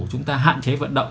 chúng ta hạn chế vận động